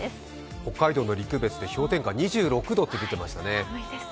北海道の陸別で氷点下２６度と言ってましたね。